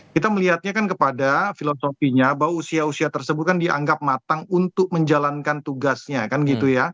kita melihatnya kan kepada filosofinya bahwa usia usia tersebut kan dianggap matang untuk menjalankan tugasnya kan gitu ya